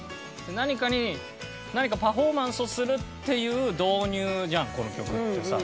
何かに何かパフォーマンスをするっていう導入じゃんこの曲ってさ。